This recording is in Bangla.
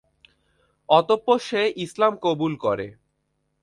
অতঃপর সে ইসলাম কবুল করে।